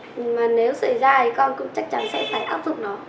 nhưng mà nếu xảy ra thì con cũng chắc chắn sẽ phải áp dụng nó